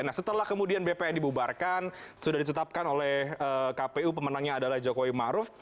nah setelah kemudian bpn dibubarkan sudah ditetapkan oleh kpu pemenangnya adalah jokowi maruf